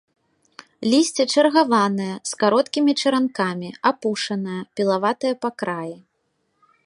Лісце чаргаванае, з кароткімі чаранкамі, апушанае, пілаватае па краі.